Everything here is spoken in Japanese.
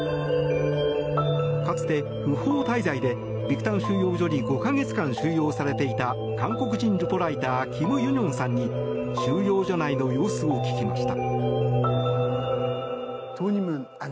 かつて不法滞在でビクタン収容所に５か月間収容されていた韓国人ルポライターキム・ユニョンさんに収容所内の様子を聞きました。